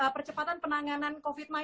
percepatan penanganan covid sembilan belas